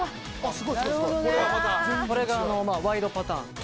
これがワイドパターン。